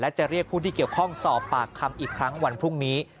จะเรียกผู้ที่เกี่ยวข้องสอบปากคำอีกครั้งวันพรุ่งนี้